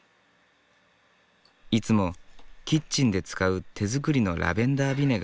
いつもキッチンで使う手づくりのラベンダービネガー。